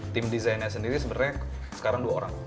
tim desainnya sendiri sebenarnya sekarang dua orang